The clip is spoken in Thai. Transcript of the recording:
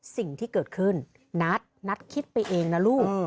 สิ่งที่เกิดขึ้นนัทนัทคิดไปเองนะลูก